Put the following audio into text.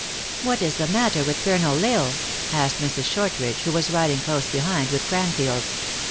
" What is the matter with Colonel L Isle ?" asked Mrs. Shortridge, who was riding close behind with Cranfield.